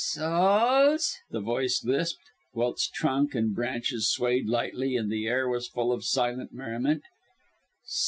"Souls!" the voice lisped, whilst trunk and branches swayed lightly, and the air was full of silent merriment.